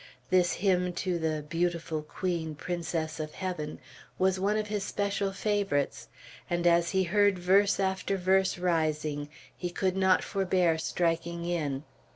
This hymn to the "Beautiful Queen, Princess of Heaven," was one of his special favorites; and as he heard verse after verse rising, he could not forbear striking in.